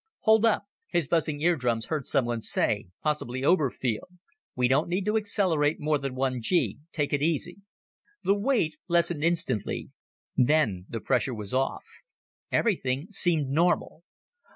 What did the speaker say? "Hold up," his buzzing eardrums heard someone say possibly Oberfield. "We don't need to accelerate more than one g. Take it easy." The weight lessened instantly. Then the pressure was off. Everything seemed normal.